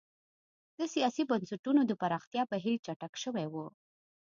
د سیاسي بنسټونو د پراختیا بهیر چټک شوی و.